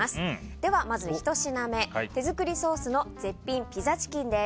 では、まず１品目手づくりソースの絶品ピザチキンです。